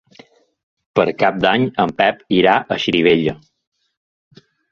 Per Cap d'Any en Pep irà a Xirivella.